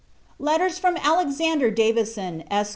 LETTERS FROM ALEXANDER DAVISON, ESQ.